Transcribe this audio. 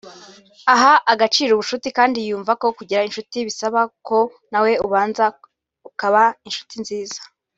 Aha agaciro ubucuti kandi yumva ko kugira incuti bisaba ko nawe ubanza ukaba incuti nziza